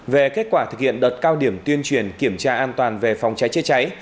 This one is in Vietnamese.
về kết quả thực hiện đợt cao điểm tuyên truyền kiểm tra an toàn về phòng cháy chữa cháy